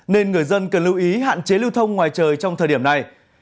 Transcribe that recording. nên người dân cần lưu ý hạn chế lưu thông ngoài trời trong thời điểm này